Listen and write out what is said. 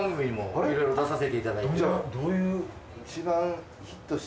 どういう？